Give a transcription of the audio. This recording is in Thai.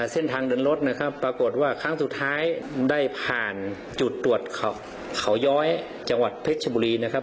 เส้นทางเดินรถนะครับปรากฏว่าครั้งสุดท้ายได้ผ่านจุดตรวจเขาย้อยจังหวัดเพชรชบุรีนะครับ